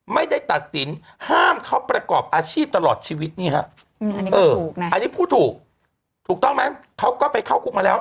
ไม่ได้ตัดสินห้ามเขาประกอบอาชีพตลอดชีวิตนี่ฮะอันนี้พูดถูกถูกต้องไหมเขาก็ไปเข้าคุกมาแล้ว